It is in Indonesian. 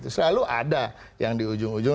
selalu ada yang di ujung ujung